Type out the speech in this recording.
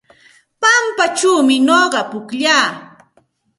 Pampachawmi nuqa pukllaa.